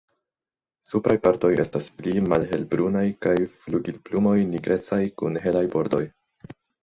Supraj partoj estas pli malhelbrunaj kaj flugilplumoj nigrecaj kun helaj bordoj.